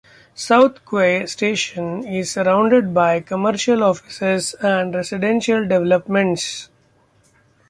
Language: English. South Quay station is surrounded by commercial offices and residential developments.